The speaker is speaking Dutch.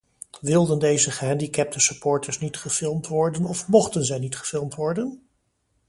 Wilden deze gehandicapte supporters niet gefilmd worden of mochten zij niet gefilmd worden?